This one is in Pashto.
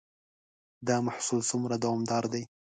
دا محصول څومره دوامدار دی؟